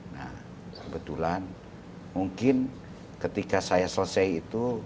nah kebetulan mungkin ketika saya selesai itu